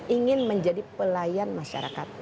ingin menjadi pelayan masyarakat